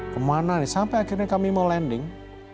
kemana nih sampai akhirnya kami mau landing